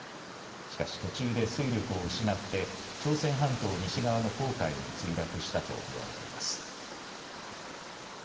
しかし途中で推力を失って朝鮮半島西側の黄海に墜落したと見られています。